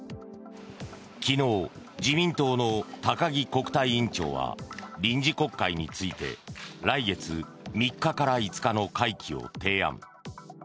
昨日、自民党の高木国対委員長は臨時国会について来月３日から５日の会期を提案。